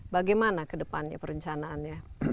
bagaimana kedepannya perencanaannya